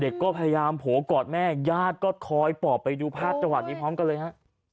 ก็พยายามโผล่กอดแม่ญาติก็คอยปอบไปดูภาพจังหวัดนี้พร้อมกันเลยฮะ